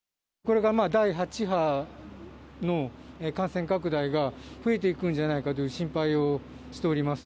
これが第８波の感染拡大が増えていくんじゃないかという心配をしております。